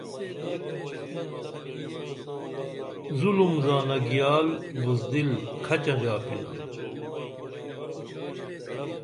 ظُلُم زانہ گیال بذدل کھچہ ژانپنا